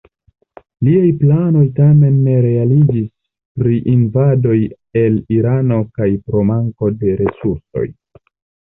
Liaj planoj tamen ne realiĝis pri invadoj el Irano kaj pro manko de resursoj.